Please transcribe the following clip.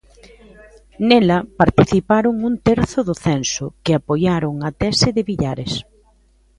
Nela participaron un terzo do censo, que apoiaron a tese de Villares.